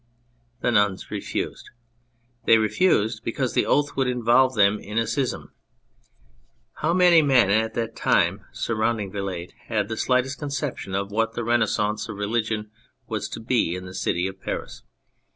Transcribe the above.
The nuns refused ; they refused because the oath would involve them in schism. How many men at that time surrounding Vilate had the slightest conception of what the renascence of religion was to be in the city of Paris